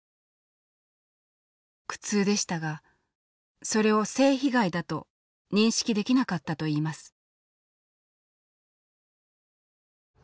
苦痛でしたがそれを「性被害」だと認識できなかったといいます。